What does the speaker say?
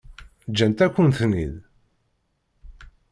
Ǧǧant-akent-ten-id?